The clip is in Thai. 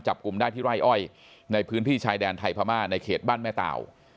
จับกลุ่มได้ที่ไร่อ้อยในพื้นที่ชายแดนไทยพม่าในเขตบ้านแม่เต่า